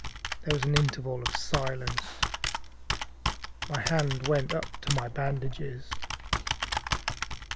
There was an interval of silence. My hand went up to my bandages.